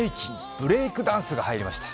ブレイクダンスが入りました。